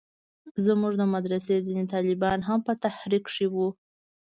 زموږ د مدرسې ځينې طالبان هم په تحريک کښې وو.